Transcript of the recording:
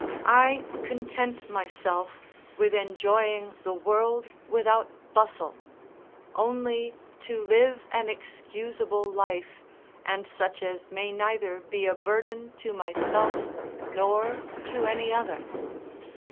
I content myself with enjoying the world without bustle; only to live an excusable life, and such as may neither be a burden to myself nor to any other.